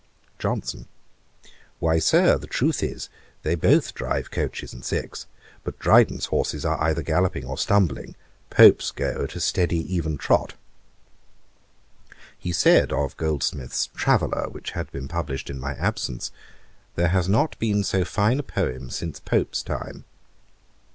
JOHNSON. 'Why, Sir, the truth is, they both drive coaches and six; but Dryden's horses are either galloping or stumbling: Pope's go at a steady even trot.' He said of Goldsmith's Traveller, which had been published in my absence, 'There has not been so fine a poem since Pope's time.'